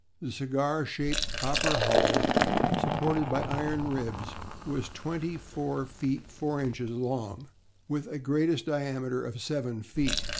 The cigar shaped copper hull, supported by iron ribs, was twenty four feet four inches long, with a greatest diameter of seven feet.